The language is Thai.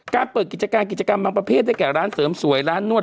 เปิดกิจการกิจกรรมบางประเภทได้แก่ร้านเสริมสวยร้านนวด